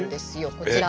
こちら。